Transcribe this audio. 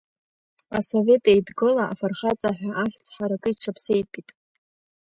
Асовет Еидгыла Афырхаҵа ҳәа ахьӡ ҳаракы иҽаԥсеитәит.